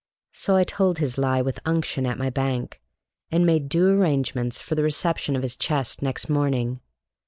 So I told his lie with unction at my bank, and made due arrangements for the reception of his chest next morning.